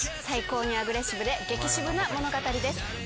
最高にアグレッシブで激渋な物語です。